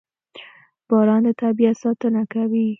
• باران د طبیعت ساتنه کوي.